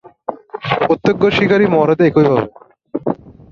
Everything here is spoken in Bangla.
সব শিকারীর মৃত্যু একইভাবে হয়।